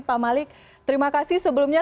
pak malik terima kasih sebelumnya